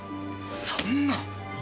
そんな。